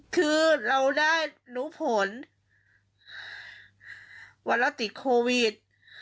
คือเราได้รู้ผลว่าเราติดโควิด